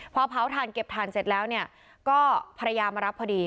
พอเผาถ่านเก็บถ่านเสร็จแล้วเนี่ยก็ภรรยามารับพอดี